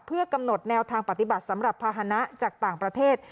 เพื่อกำหนดแนวทางปฏิบัติสำหรับภาษณะจากต่างประเทศ